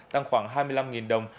tăng khoảng hai mươi năm đồng